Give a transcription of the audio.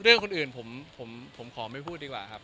เรื่องคนอื่นผมขอไม่พูดดีกว่าครับ